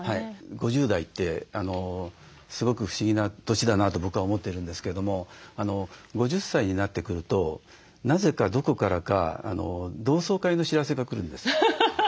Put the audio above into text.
５０代ってすごく不思議な年だなと僕は思ってるんですけれども５０歳になってくるとなぜかどこからか同窓会の知らせが来るんです。